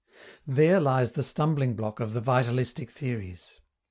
There lies the stumbling block of the vitalistic theories.